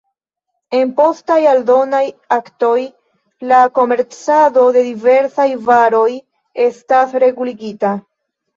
En postaj aldonaj aktoj la komercado de diversaj varoj estas reguligita.